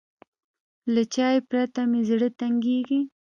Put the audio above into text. له چای پرته مې زړه تنګېږي.